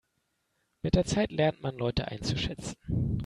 Mit der Zeit lernt man Leute einzuschätzen.